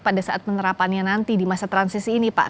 pada saat penerapannya nanti di masa transisi ini pak